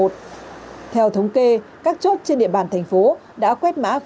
theo thống kê các chốt trên địa bàn thành phố đã quét mã qr cho trên ba trăm linh chín lượt người qua tham gia giao thông